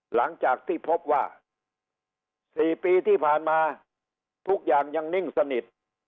หลังจากที่พบว่า๔ปีที่ผ่านมาทุกอย่างยังนิ่งสนิท